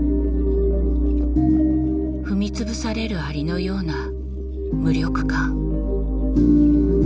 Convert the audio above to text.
踏み潰される蟻のような無力感。